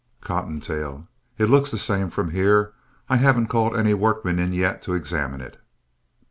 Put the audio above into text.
COTTONTAIL It looks the same from here. I haven't called any workmen in yet to examine it.